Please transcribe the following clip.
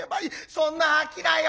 そんな商いを』。